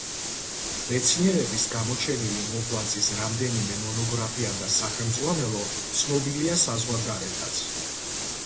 მეცნიერების გამოჩენილი მოღვაწის რამდენიმე მონოგრაფია და სახელმძღვანელო ცნობილია საზღვარგარეთაც.